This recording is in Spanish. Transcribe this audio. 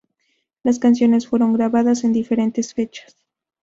Las canciones fueron grabadas en diferentes fechas.